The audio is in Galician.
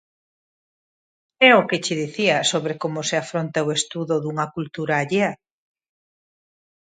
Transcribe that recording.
É o que che dicía sobre como se afronta o estudo dunha cultura allea.